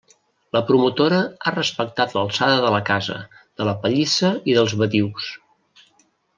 La promotora ha respectat l'alçada de la casa, de la pallissa i dels badius.